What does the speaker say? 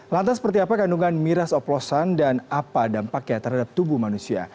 lantas seperti apa kandungan miras oplosan dan apa dampaknya terhadap tubuh manusia